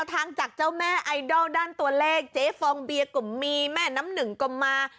ทางจากเจ้าแม่ไอดอลด้านตัวเลขเจ๊ฟองเบียก็มีแม่น้ำหนึ่งก็มา